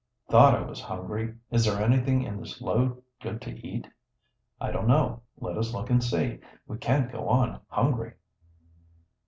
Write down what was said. "Thought I was hungry. Is there anything in this load good to eat?" "I don't know. Let us look and see. We can't go on, hungry."